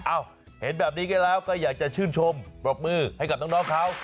เห็นแบบนี้กันแล้วก็อยากจะชื่นชมปรบมือให้กับน้องเขา